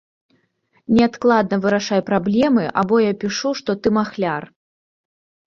Неадкладна вырашай праблемы або я пішу, што ты махляр.